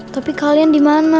tapi kalian dimana